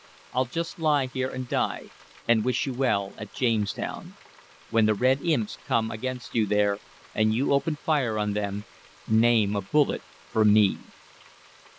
I'll just lie here and die, and wish you well at Jamestown. When the red imps come against you there, and you open fire on them, name a bullet for me."